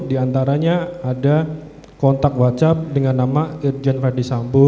di antaranya ada kontak whatsapp dengan nama irjen verdi sambo